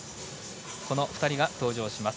この２人が登場します。